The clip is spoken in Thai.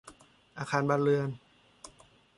อาคารบ้านเรือน